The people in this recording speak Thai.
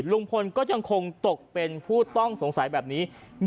ลุงพลก็ยังคงตกเป็นผู้ต้องสงสัยแบบนี้